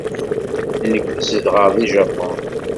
Nekk zedɣeɣ deg Japun.